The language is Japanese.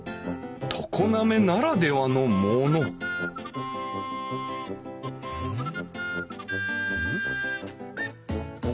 常滑ならではのものうん？